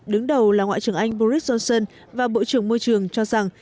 đứng đầu là ngoại trưởng anh boris johnson và bộ trưởng môi trường cho rằng